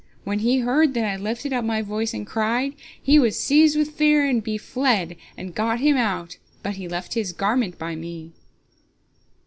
When he heard that I lifted up my voice and cried, he was seized with fear, and be fled, and got him out, but he left his garment by me."